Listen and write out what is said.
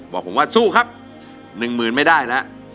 บอกผมว่าสู้ครับ๑หมื่นไม่ได้แล้ว